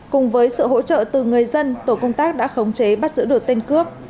cùng với sự hỗ trợ từ người dân tổ công tác đã khống chế bắt giữ được tên cướp